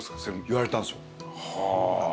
言われたんすよ。